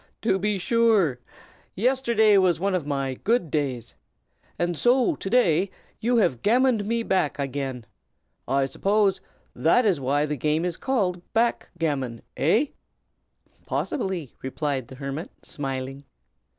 "To be sure! yesterday was one of my good days. And so to day you have gammoned me back again. I suppose that is why the game is called back gammon, hey?" "Possibly!" replied the hermit, smiling.